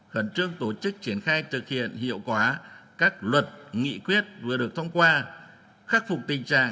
khẩn trương tổ chức triển khai thực hiện hiệu quả các luật nghị quyết vừa được thông qua khắc phục tình trạng